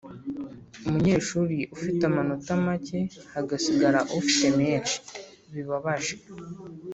umunyeshuri ufite amanota make hagasigara ufite menshi, bibabaje.